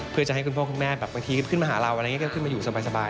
เพื่อจะให้คุณพ่อคุณแม่บางทีขึ้นมาหาเราขึ้นมาอยู่สบาย